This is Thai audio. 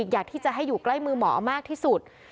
อยากที่จะให้อยู่ใกล้มือหมอมากที่สุด